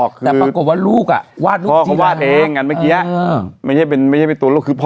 เค้าบอกว่าเมื่อกี้คือพ่อ